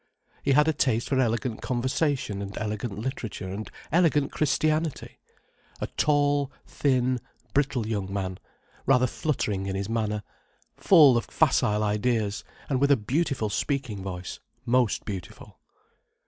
He had a taste for elegant conversation and elegant literature and elegant Christianity: a tall, thin, brittle young man, rather fluttering in his manner, full of facile ideas, and with a beautiful speaking voice: most beautiful.